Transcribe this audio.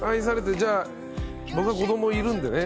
じゃあ僕は子どもいるんでね